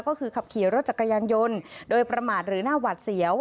ก็คือขับขี่รถจักรยานยนต์โดยประมาทหรือหน้าหวัดเสียว